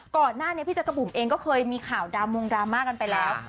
ก่อนหน้านี้พี่จักรบุ๋มเองก็เคยมีข่าวดาวมงดราม่ากันไปแล้ว